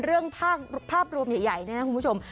เรื่องภาพรวมใหญ่เนี่ยนะคุณผู้ชม